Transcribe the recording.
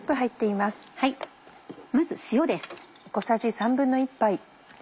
まず塩です。